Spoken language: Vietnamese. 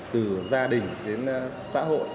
từ gia đình đến xã hội